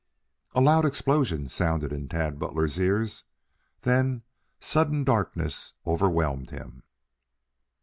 A loud explosion sounded in Tad Butler's ears, then sudden darkness overwhelmed him.